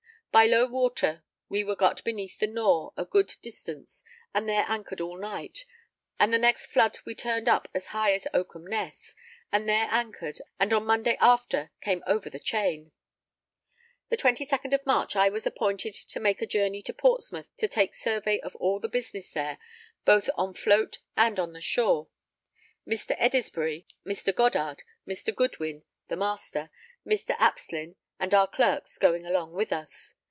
By low water we were got beneath the Nore a good distance, and there anchored all night, and the next flood we turned up as high as Oakham Ness and there anchored, and on Monday after came over the chain._ _The 22nd of March, I was appointed to make a journey to Portsmouth to take survey of all the business there, both on float and on the shore. Mr. Edisbury, Mr. Goddard, Mr. Goodwin the Master, Mr. Apslyn, and our clerks going along with us.